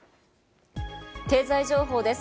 経済情報です。